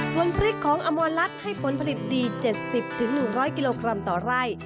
ส่วนพริกของอมรลัดให้ผลผลิตดี๗๐๑๐๐กิโลกรัมต่อไร่